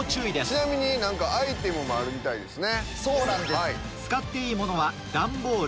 ちなみにアイテムもあるみたいですね。